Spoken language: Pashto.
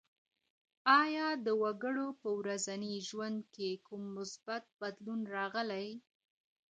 آيا د وګړو په ورځني ژوند کي کوم مثبت بدلون راغلی؟